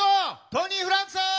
トニーフランクさん！